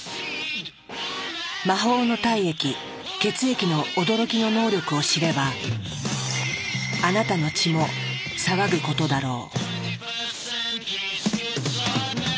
魔法の体液血液の驚きの能力を知ればあなたの血も騒ぐことだろう。